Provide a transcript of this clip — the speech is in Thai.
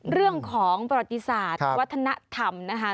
เรื่องของประวัติศาสตร์วัฒนธรรมนะคะ